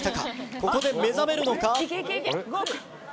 ここで目覚めるのか？